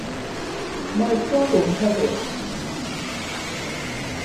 Mae fforwm hefyd.